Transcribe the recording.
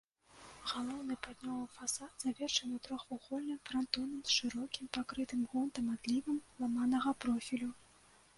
Галоўны паўднёвы фасад завершаны трохвугольным франтонам з шырокім, пакрытым гонтам адлівам ламанага профілю.